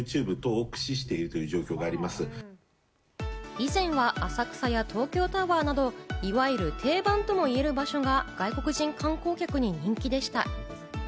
以前は浅草や東京タワーなど、いわゆる定番とも言える場所が外国人観光客に人気でした。